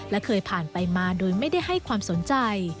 และเคยผ่านไปมาโดยไม่ได้ให้ความสนใจ